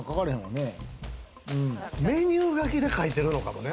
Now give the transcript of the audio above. メニュー書きで書いてるのかもね。